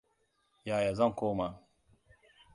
Yaya zan koma?